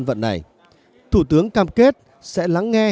vì vậy chúng tôi đối xử